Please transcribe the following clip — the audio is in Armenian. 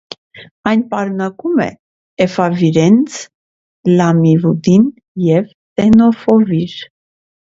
Այն պարունակում է էֆավիրենց, լամիվուդին և տենոֆովիր։